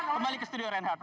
kembali ke studio renhard